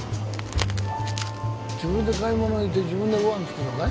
自分で買い物行って自分でご飯作んのかい？